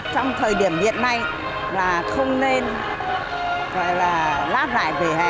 trong thời điểm hiện nay là không nên gọi là lát lại về hè